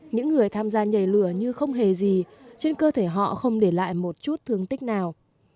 những người tham gia nhảy lửa như không hề gì trên cơ thể họ không để lại một chút thương tích nào